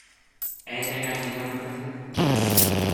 Anything I can help you with?